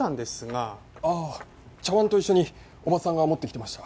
ああ茶碗と一緒におばさんが持ってきてました。